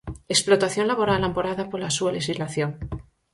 Explotación laboral amparada pola súa lexislación.